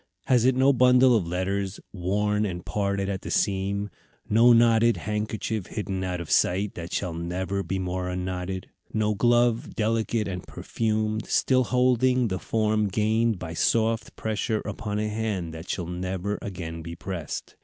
Has it no bundle of letters, worn and parted at the seam; no knotted handkerchief hidden out of sight, that shall never be more unknotted; no glove, delicate and perfumed, still holding the form gained by soft pressure upon a hand that shall never again be pressed.